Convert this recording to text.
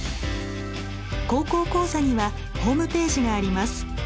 「高校講座」にはホームページがあります。